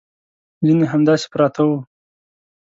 ځینې همداسې پراته وو.